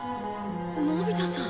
のび太さん！